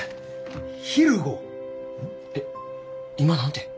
えっ今何て？